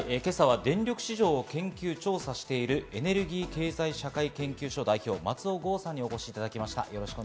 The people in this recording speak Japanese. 電力市場を研究調査している、エネルギー経済社会研究所の代表・松尾豪さんにお越しいただきました。